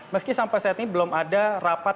meski sampai saat ini belum ada rapat